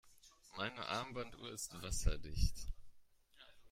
Meine Armbanduhr ist wasserdicht.